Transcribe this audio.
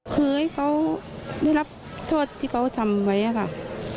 คือเขาได้รับโทษที่เขาทำไว้น่ะครับ